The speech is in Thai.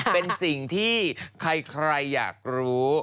เป็นสิ่งที่ใครอยากรู้